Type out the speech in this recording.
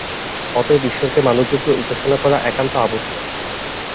অতএব ঈশ্বরকে মানবরূপে উপাসনা করা একান্ত আবশ্যক।